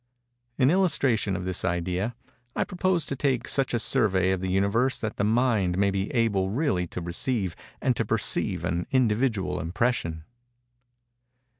In illustration of this idea, I propose to take such a survey of the Universe that the mind may be able really to receive and to perceive an individual impression.